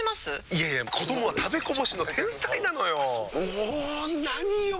いやいや子どもは食べこぼしの天才なのよ。も何よ